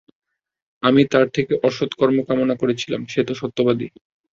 আমিই তার থেকে অসৎ কর্ম কামনা করেছিলাম সে তো সত্যবাদী।